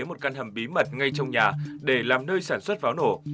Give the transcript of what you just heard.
một căn hầm bí mật ngay trong nhà để làm nơi sản xuất pháo nổ